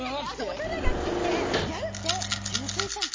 大人が来てギャルって純粋じゃん。